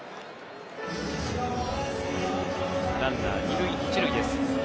ランナー２塁１塁です。